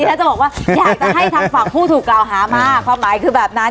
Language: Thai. ถ้าจะบอกว่าอยากจะให้ทางฝั่งผู้ถูกกล่าวหามาความหมายคือแบบนั้น